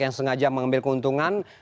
yang sengaja mengambil keuntungan